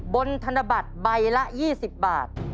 ธนบัตรใบละ๒๐บาท